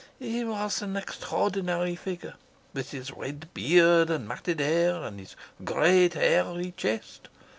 He was an extraordinary figure, with his red beard and matted hair, and his great hairy chest.